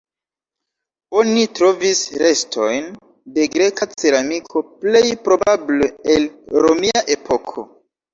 Oni trovis restojn de greka ceramiko, plej probable el romia epoko.